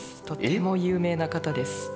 とても有名な方です。